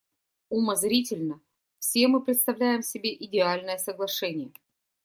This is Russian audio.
Умозрительно все мы представляем себе идеальное соглашение.